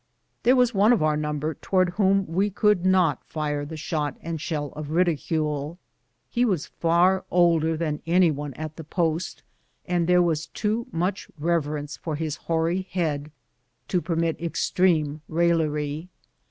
There was one of our number towards whom we could not fire the shot and shell of ridicule. lie was far older than any one at the post, and there was too much reverence for his hoary head to permit extreme raillery.